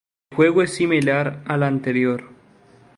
El juego es similar a la anterior.